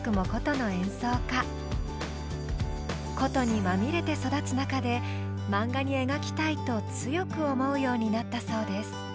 箏にまみれて育つ中でマンガに描きたいと強く思うようになったそうです。